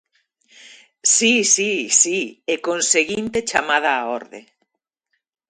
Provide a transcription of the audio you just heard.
Si, si, si e conseguinte chamada á orde.